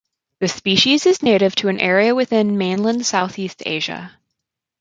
The species is native to an area within Mainland Southeast Asia.